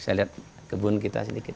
saya lihat kebun kita sedikit